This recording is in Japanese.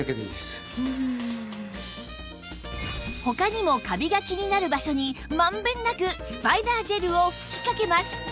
他にもカビが気になる場所に満遍なくスパイダージェルを吹きかけます